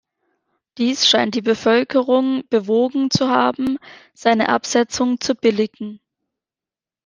Dies scheint die Bevölkerung bewogen zu haben, seine Absetzung zu billigen.